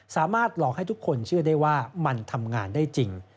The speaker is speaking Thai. สามารถหลอกให้ทุกคนเชื่อได้ว่ามันทำงานได้จริง